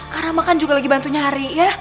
karama kan juga lagi bantu nyari ya